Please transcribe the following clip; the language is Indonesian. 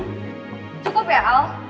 cukup ya al